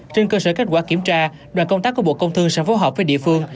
trên cơ sở kết quả kiểm tra đoàn công tác của bộ công thương sẽ phối hợp với địa phương